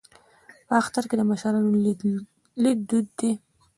په اختر کې د مشرانو لیدل دود دی.